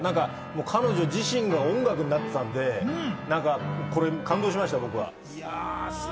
彼女自身が音楽になってたんで感動しました、僕は。